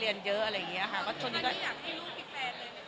เรียนเยอะอะไรอย่างเงี้ยค่ะก็ตอนนี้ก็อยากให้ลูกพี่แทนเลยไหมค่ะ